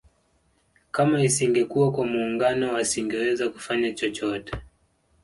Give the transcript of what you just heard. Kama isingekuwa kwa muungano wasingeweza kufanya chochote